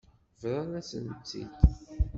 Bḍan-asen-tt-id.